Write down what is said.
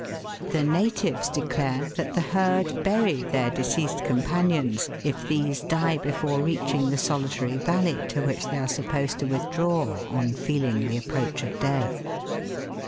The natives declare that the herd bury their deceased companions if these die before reaching the solitary valley to which they are supposed to withdraw on feeling the approach of death.